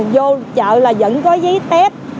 vô chợ là vẫn có giấy test